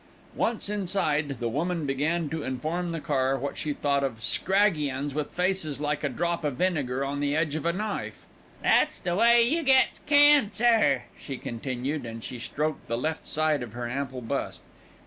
Once inside, the woman began to inform the car what she thought of "scraggy 'Uns with faces like a drop of vinegar on the edge of a knife." "That's the way you gets cancer," she continued, as she stroked the left side of her ample bust.